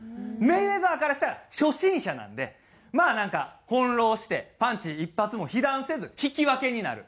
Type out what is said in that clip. メイウェザーからしたら初心者なんでまあなんか翻弄してパンチ１発も被弾せず引き分けになる。